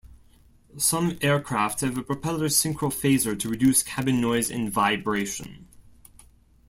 Some aircraft have a propeller synchrophaser to reduce cabin noise and vibration.